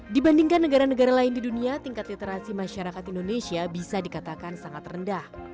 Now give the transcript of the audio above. dibandingkan negara negara lain di dunia tingkat literasi masyarakat indonesia bisa dikatakan sangat rendah